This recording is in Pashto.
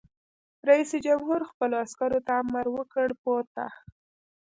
رئیس جمهور خپلو عسکرو ته امر وکړ؛ پورته!